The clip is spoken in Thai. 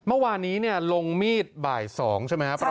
เมื่อวานนี้ลงมีดบ่าย๒ใช่ไหมครับ